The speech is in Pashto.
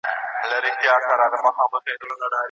زوال تر عروج وروسته حتمي دی.